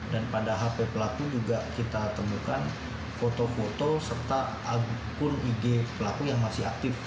dan pada hp pelaku juga kita temukan foto foto serta akun ig pelaku yang masih aktif